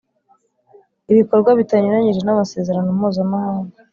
Ibikorwa bitanyuranyije n’Amasezerano Mpuzamahanga